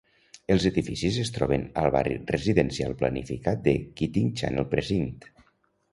Els edificis es troben al barri residencial planificat de Keating Channel Precinct.